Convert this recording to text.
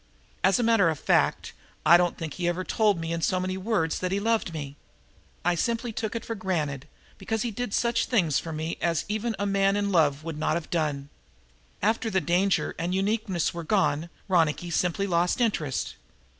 As a matter of fact I don't think he ever told me in so many words that he loved me. I simply took it for granted because he did such things for me as even a man in love would not have done. After the danger and uniqueness were gone Ronicky simply lost interest."